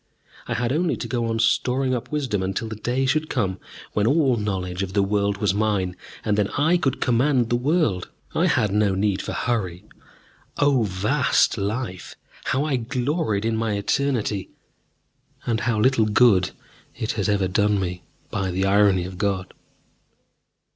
I had only to go on storing up wisdom until the day should come when all knowledge of the world was mine, and then I could command the world. I had no need for hurry. O vast life! How I gloried in my eternity! And how little good it has ever done me, by the irony of God.